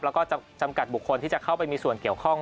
แล้วก็จำกัดบุคคลที่จะเข้าไปมีส่วนเกี่ยวข้อง